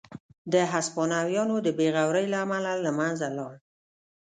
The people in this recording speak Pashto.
د هسپانویانو د بې غورۍ له امله له منځه لاړ.